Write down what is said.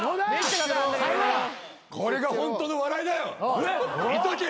これがホントの笑いだよ見とけよ。